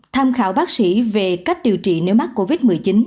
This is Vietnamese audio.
tham khảo bác sĩ về cách điều trị nếu mắc covid một mươi chín